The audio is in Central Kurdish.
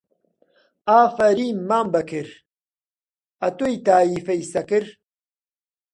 ئافەریم مام بابەکر، ئەتۆی تایفەی سەکر